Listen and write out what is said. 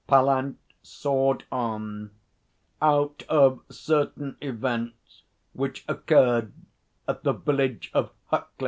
Pallant sawed on 'out of certain events which occurred at the village of Huckley.'